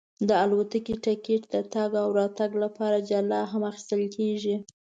د الوتکې ټکټ د تګ او راتګ لپاره جلا هم اخیستل کېږي.